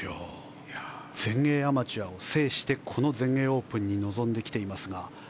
全英アマチュアを制して全英オープンに臨んでいます。